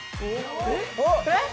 えっ？